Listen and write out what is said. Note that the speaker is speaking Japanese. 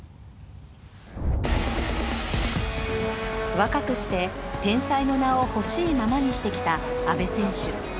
若くして天才の名をほしいままにしてきた阿部選手。